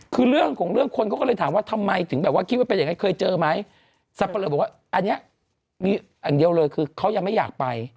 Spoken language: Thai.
คือเรื่องของเรื่องคนเขาก็เลยถามว่าทำไมถึงแบบว่าคิดว่าเป็นอย่างนั้นเคยเจอไหมสับปะเลอบอกว่าอันนี้มีอย่างเดียวเลยคือเขายังไม่อยากไป